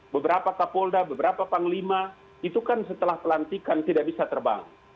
beberapa kapolda beberapa panglima itu kan setelah pelantikan tidak bisa terbang